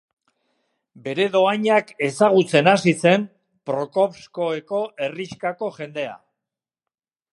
Bere dohainak ezagutzen hasi zen Prokovskoeko herrixkako jendea.